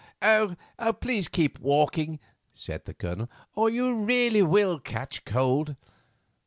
"Please keep walking," said the Colonel, "or you really will catch cold."